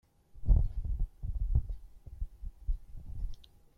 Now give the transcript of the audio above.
According to him, the Pope was a better theologian than he was a leader.